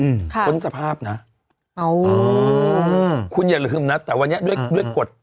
ศักดิ์พ้นสภาพน่ะเอ้าวคุณอย่าลืมนะแต่วันนี้ด้วยด้วยกฎ